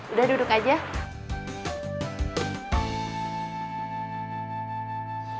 udah duduk aja